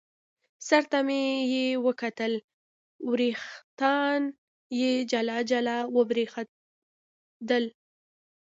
سر ته مې یې وکتل، وریښتان یې جلا جلا او برېښېدل.